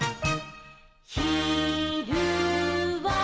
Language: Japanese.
「ひるは」